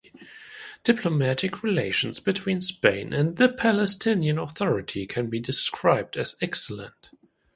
Diplomatic relations between Spain and the Palestinian Authority can be described as excellent.